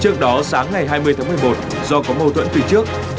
trước đó sáng ngày hai mươi tháng một mươi một do có mâu thuẫn từ trước